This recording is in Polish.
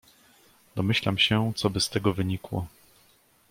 "Domyślam się, coby z tego wynikło."